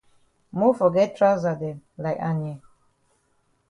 Mofor get trousa dem like Anye.